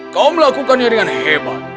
kau melakukannya dengan hebat